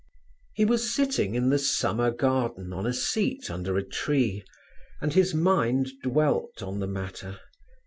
He was sitting in the Summer Garden on a seat under a tree, and his mind dwelt on the matter.